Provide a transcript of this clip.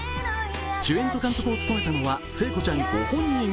しゅえんと監督を務めたのは聖子ちゃん御本人。